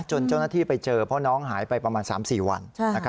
จนเจ้าหน้าที่ไปเจอเพราะน้องหายไปประมาณ๓๔วัน